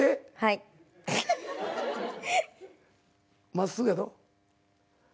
真っすぐやど。